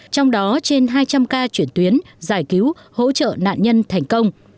trong đó trên hai trăm linh ca chuyển tuyến giải cứu hỗ trợ nạn nhân thành công